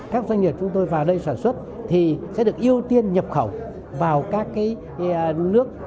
các doanh nghiệp chúng tôi vào đây sản xuất thì sẽ được ưu tiên nhập khẩu vào các nước